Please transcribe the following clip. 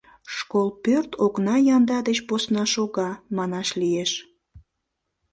Школ пӧрт окна янда деч посна шога, манаш лиеш.